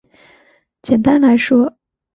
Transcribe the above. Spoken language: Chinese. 简单来说